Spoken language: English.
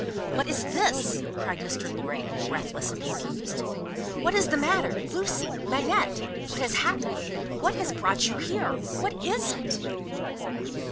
"What is this?" cried Mr. Lorry, breathless and confused. "What is the matter? Lucie! Manette! What has happened? What has brought you here? What is it?"